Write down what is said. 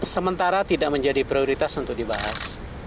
sementara tidak menjadi prioritas untuk dibahas